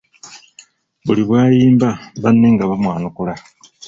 Buli bw'ayimba banne nga bamwanukula.